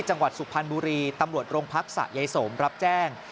จังหวัดสุพรรณบุรีตำรวจโรงพักสะยายสมรับแจ้ง